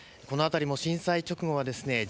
このあたりも震災直後はですね